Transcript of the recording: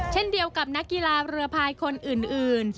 เช่นเดียวกับนักกีฬาเรือพายคนอื่น